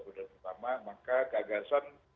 pertama maka keagasan